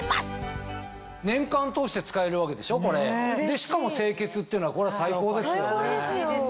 しかも清潔っていうのは最高ですよね。